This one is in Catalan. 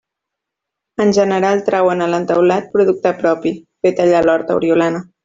En general, trauen a l'entaulat producte propi, fet allà a l'horta oriolana.